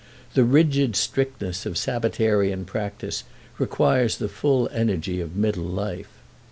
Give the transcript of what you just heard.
The rigid strictness of Sabbatarian practice requires the full energy of middle life.